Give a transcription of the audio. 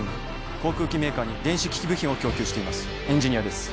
航空機メーカーに電子機器部品を供給していますエンジニアです